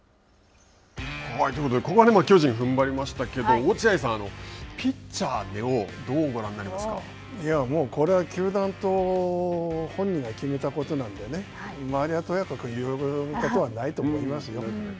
ということで、ここは巨人がふんばりましたけれども、落合さん、ピッチャー根尾、これは球団と本人が決めたことなんでね、周りがとやかく言うことはないと思いますよ。